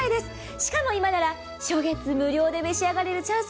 しかも初月無料で召し上がれるチャンス。